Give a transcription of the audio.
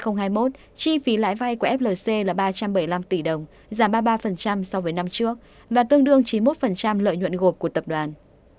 năm hai nghìn hai mươi một chi phí lãi vay của flc là ba trăm bảy mươi năm tỷ đồng giảm ba mươi ba so với năm trước và tương đương chín mươi một lợi nhuận gộp của tập đoàn